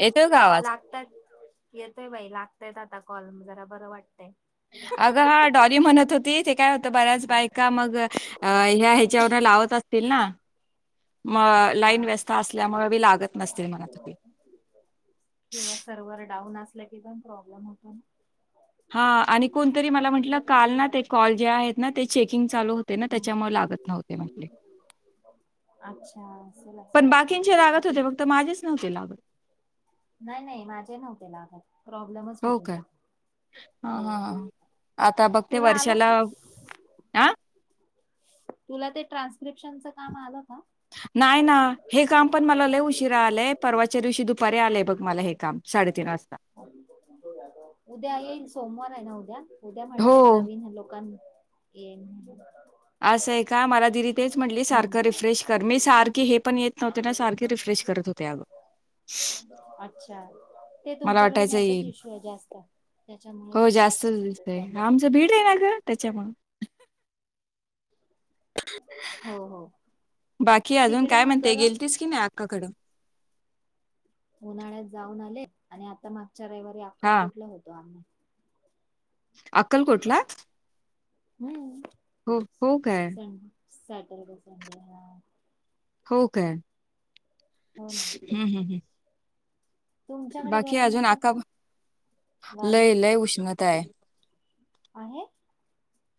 येतोय का आवाज? लागतात येतय बाई लाग ताहेत आता कॉलम जरा बरं वाटतंय. अगं हा डॉली म्हणत होती ते काय होतं बऱ्याच तेवढं लावत असतील ना? म लाईन हा व्यस्थ असल्यामुळं बी लागत नसतंय म्हणत होती. ल की पण प्रॉब्लेम होतो ना. हां आणि कोणतरी मला म्हटलं काल ना ते कॉल जे आहेत ना ते. चेकिंग चालू होते ना त्याच्यामुळे लागत नव्हते म्हंटले. अच्छा असेल असं पण काहीतरी बाकींचे लागत आप होते फक्त माझेच नव्हते लागत. नाही नाही माझे नव्हते लागत. प्रोब्लेम च हो होत काय होता हा हो हा आता बघते तुला वर्षाला आलं आ तुला ते ट्रान्स स्क्रिप्शन काम आलं का? नाही ना हे काम पण मला लय उशिरा आलाय परवाच्या दिवशी दुपारी आलंय बघ मला हे. काम साडेतीन वाजता. उद्या येईन सोमवार आहे ना उ द्या उद्या म्हटलेत हो नवीन लोकां येईन. असं आहे का मला दीदी तेच म्हटली हम्म सारखं रिफ्रेश कर मी सारखी हे पण येत नव्हतं. त्यांना सारखे रिफ्रेश करत होते अगं अच्छा ते मला तुमच्याकडे वाटायचं नेटच येईल इश्यू आहे जास्त. त्याच्यामुळेच हो जास्तच होतोय दिसतंय प्रॉब्लेम आमच भीड आहे ना ग त्याच्यामुळं. हो हो. बाकी अजून तिकडे काय मग म्हणते करा गेलतीस कि नाही अक्काकडं? उन्हाळ्यात जाऊन आले आणि आता मा गच्या रईवारी हां, अक्कलकोटला होतो आम्ही. अक्कलकोटला? हम्म. हो हो काय? सॅटरडे संडे हा. हो काय? हो ना हम्म हम्म हम्म. तुमच्याकडे बाकी गरम अजून होतं आता का गावी लय लय उष्मता आहे. आहे.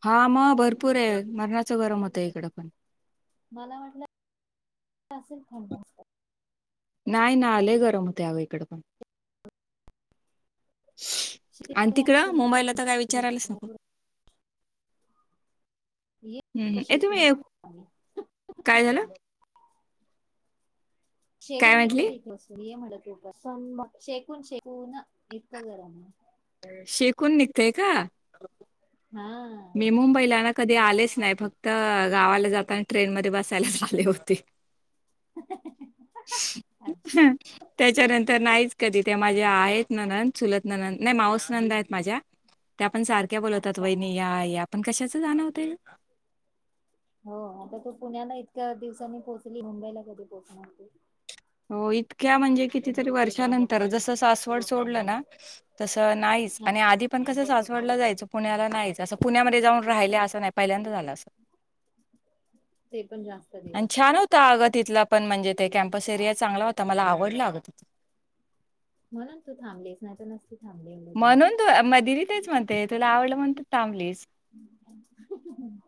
हा मग भरपूर आहे मरणाच गरम होतं इकडं पण मला वाटलं असेल थंड नाही ना लय गरम होतंय आगं इकड पण आणि तिकडं मुंबाईलला तर काय विचारायलाच नको हम्म हम् ये शेकून तुम्ही निघतो काय झालं काय शेकून म्हटली? निघतय शेकून शेकू न इतकं गरम आहे. शेकून निघतय का? हा मी मुंबईला ना कधी आलेच नाही फक्त तर गावाला जाताना आणि ट्रेन मध्ये बसायला आले होते. अच्छा त्याच्यानंतर नाहीच कधी? माझे आहेत ननंद चुलत ननंद नाही माऊस नंदा आहेत माझ्या त्या पण सारख्या बोलतात अच्छा वहिनी. आपण कशाच जाण होत. हो आता तू पुण्याला इतक्या दिवसांनी पोहोचली मुंबईला कधी पोहोचणार तु हो इतक्या म्हणजे कितीतरी वर्षानंतर जस सासवड सोडल ना तस नाहीच हा आणि आधी पण कस डला जायच पुण्याला नाहीच असं पुण्यामध्ये जाऊन राहिले असं नाही पहिल्यांदा झाला असं ते पण जास्त आणि दिवस छान होत अगं तिथला पण म्हणजे ते कम्पस एरिया चांगला होता मला आवडला अगं तिथं म्हणून तू थांबलीच नाही तर नसती थांबली एवढे दिवस म्हणून तू म दिली तेच म्हणते तुला आवडलं म्हणून थांबलीस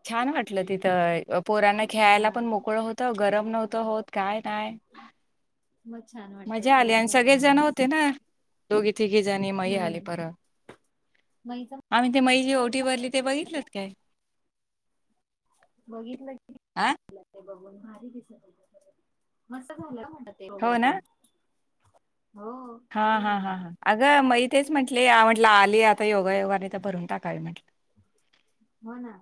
छान वाटल तिथ पोरांना हा खेळायला पण मोकळं होत गरम नव्हतं होत काय मग छान वाटत मज्जा आली फ्रेश आणि राहतो सगळेच जण माणूस होते ना दोघी तिघे जाणी मई हम्म आली [unintelligible] मग हिचं आम्ही ते आईची भरली ते म्हणत आहे, बघितलंत काय. बघितलं की. आ [unintelligible] बघून भारी [unintelligible] मस्तं झालं. ते गं तो. हो हा- आवडला मला हा-हा-हा, अगं मै. तेच म्हंटले [unintelligible] आली आता योगायोगाने तर भरून टाकावी म्हटलं. हो ना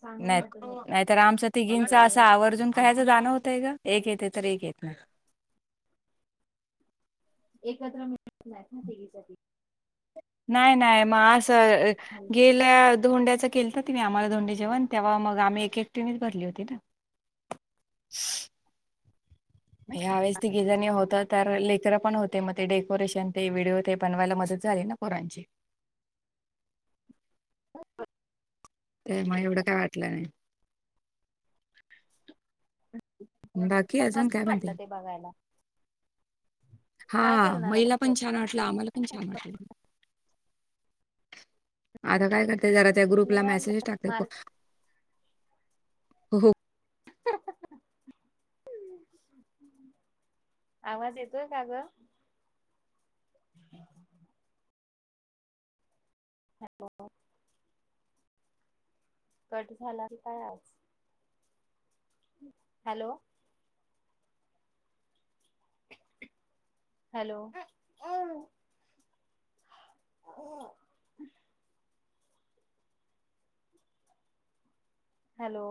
चांगलं नाही वाटत नाही तर आमच तिघींच होत असं आवर्जून. [unintelligible] जाणं होतयं गं एक येते तर एक येत नाही. एकत्र मिळत नाही ना तिघींच्या तिघी. नाही नाही मगं असं. तिघी गेल्या धोंड्याच केलंत तिने आम्हांला धोंडेजेवण तेव्हा मगं आम्ही एक एकटीनेच भरली होती ना. मग ह्या वेेळेस तिघीजणी होतो, तर लेकर पण होते मग ते डेकोरेशन ते व्हिडिओ ते बनवायला मदत झाली ना पोरांची. तर मग एवढं काय वाटलं नाही. ह. बाकी अजून काय म्हणते वाटलं ते बघायला हा काय करणार महिला आता पण छान वाटलं आम्हाला पण छान वाटलं. आता काय करते. ते जरा त्या ग्रुपला मेसेज निवांत टाकते. मार्क [unintelligible] हो हो. आवाज येतोय का गं. हॅलो. कट झाला कायं आज. हॅलो. हॅलो. हो. हॅलो.